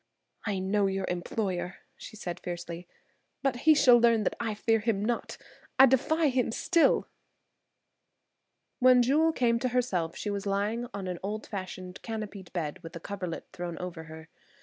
"I know your employer!" she said fiercely. "But he shall learn that I fear him not. I defy him still." (To be continued) CHAPTER XXVIII.–(Concluded.) When Jewel came to herself she was lying on an old fashioned canopied bed with a coverlet thrown over her.